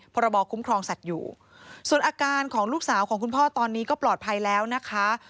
พรบคุ้มครองสัตว์อยู่ส่วนอาการของลูกสาวของคุณพ่อตอนนี้ก็ปลอดภัยแล้วนะคะ